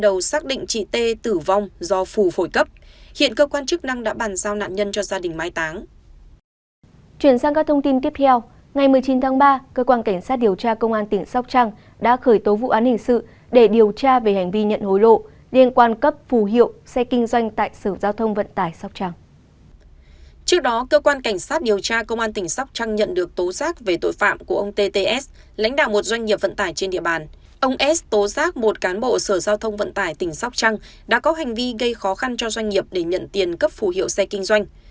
ông s tố giác một cán bộ sở giao thông vận tải tỉnh sóc trăng đã có hành vi gây khó khăn cho doanh nghiệp để nhận tiền cấp phù hiệu xe kinh doanh